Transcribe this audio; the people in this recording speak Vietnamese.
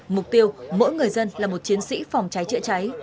mục tiêu mỗi người dân là một chiến sĩ phòng cháy chữa cháy